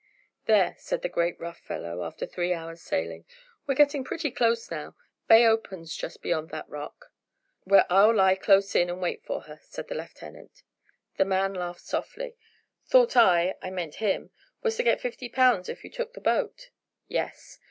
"There," said the great rough fellow, after three hours' sailing; "we're getting pretty close now. Bay opens just beyond that rock." "Where I'll lie close in, and wait for her," said the lieutenant. The man laughed softly. "Thought I I mean him was to get fifty pounds, if you took the boat?" "Yes."